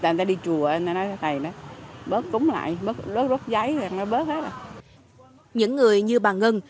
những người như bà ngân